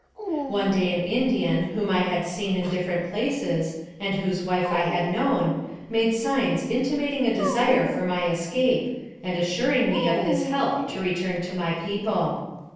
One day an Indian, whom I had seen in different places, and whose wife I had known, made signs in timating a desire for my escape, and assuring me of his help to return to my people.